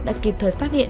đã kịp thời phát hiện